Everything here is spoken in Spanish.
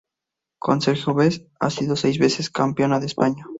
Con Sergio Vez ha sido seis veces campeona de España.